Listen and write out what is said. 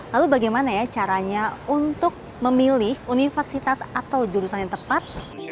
lalu bagaimana ya caranya untuk memilih universitas atau jurusan yang tepat